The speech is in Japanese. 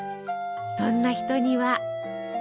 そんな人には。